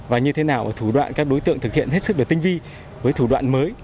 và như thế nào và thủ đoạn các đối tượng thực hiện hết sức được tinh vi với thủ đoạn mới